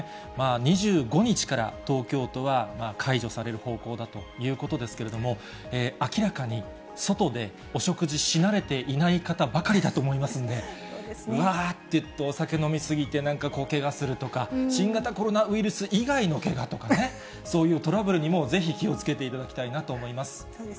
２５日から東京都は解除される方向だということですけれども、明らかに外でお食事しなれていない方ばかりだと思いますんで、うわーっていって、お酒飲み過ぎてなんかけがするとか、新型コロナウイルス以外のけがとかね、そういうトラブルにもぜひ気をつけていただきたいなと思います。